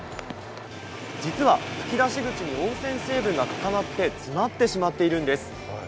実は噴出口に温泉成分が固まって詰まってしまっているんです。